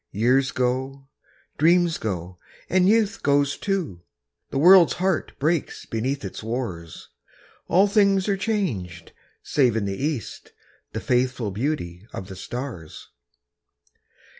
Years go, dreams go, and youth goes too, The world's heart breaks beneath its wars, All things are changed, save in the east The faithful beauty of the stars.